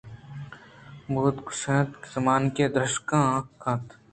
بوت گْوست زمانگ ءَ درشان کنْت۔